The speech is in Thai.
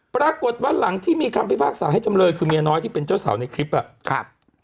ปรากฏวันหลังที่มีคำพิพากษาให้จำเลยคือเมียน้อยที่เป็นเจ้าสาวในคลิปอ่ะครับ